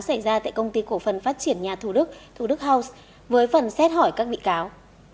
xảy ra tại công ty cổ phần phát triển nhà thủ đức thủ đức house với phần xét hỏi các bị cáo